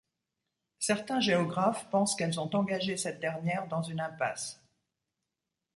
Certains géographes pensent qu'elles ont engagé cette dernière dans une impasse.